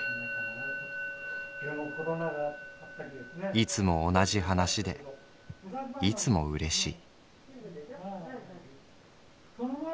「いつも同じ話でいつも嬉しい」。